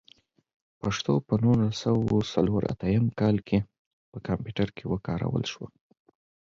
پښتو په نولس سوه څلور اتيايم کال کې په کمپيوټر کې وکارول شوه.